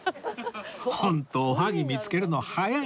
ホントおはぎ見つけるの早い！